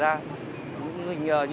rượu uống xong à